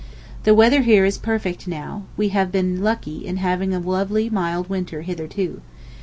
The weather here is perfect now, we have been lucky in having a lovely mild winter hitherto.